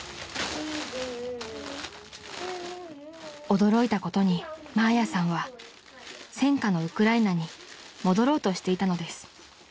［驚いたことにマーヤさんは戦火のウクライナに戻ろうとしていたのです］